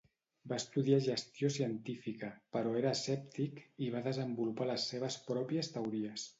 Va estudiar gestió científica, però era escèptic i va desenvolupar les seves pròpies teories.